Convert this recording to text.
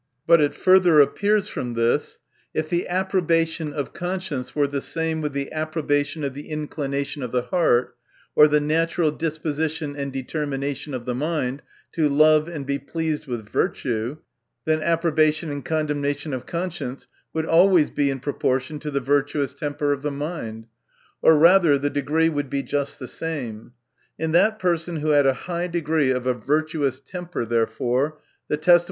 But it further appears from this. If the approbation of conscience were the same with the approbation of the inclination, of the heart, or the natural dispo sition and determination of the mind, to love and be pleased with virtue, ihei> approbation and condemnation of conscience would always be in proportion tc the virtuous temper of the mind ; or rather the degree would be just the saint'. Tr that person who had a high degree of a virtuous temper, therefore, the testim i) Vol.